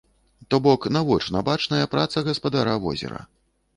Ток бок навочна бачная праца гаспадара возера.